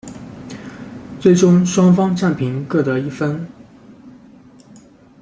最终双方战平各得一分。